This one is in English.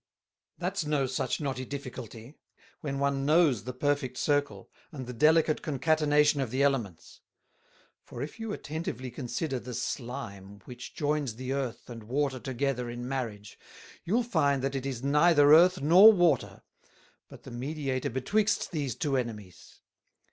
"That's no such knotty Difficulty, when one knows the perfect Circle and the delicate Concatenation of the Elements: For if you attentively consider the Slime which joines the Earth and Water together in Marriage, you'll find that it is neither Earth nor Water; but the Mediator betwixt these Two Enemies.